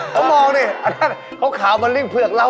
เขามองดิเขาขาวมาริ่งเผือกเรา